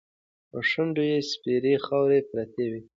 په شونډو یې سپېرې خاوې پرتې وې.